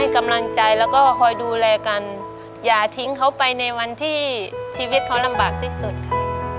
กำลังใจแล้วก็คอยดูแลกันอย่าทิ้งเขาไปในวันที่ชีวิตเขาลำบากที่สุดค่ะ